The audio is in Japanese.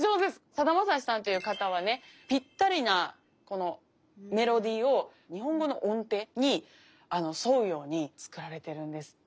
さだまさしさんという方はねぴったりなこのメロディーを日本語の音程に沿うように作られてるんですって。